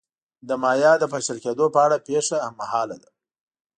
د مایا د پاشل کېدو په اړه پېښه هممهاله ده.